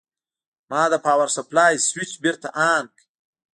ما د پاور سپلای سویچ بېرته آن کړ.